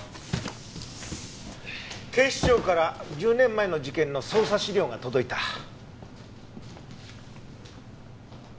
警視庁から１０年前の事件の捜査資料が届いた。